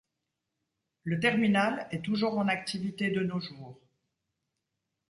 Le terminal est toujours en activité de nos jours.